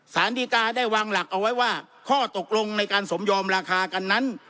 สารดีกาได้วางหลักเอาไว้ว่าข้อตกลงในการสมยอมราคากันนั้น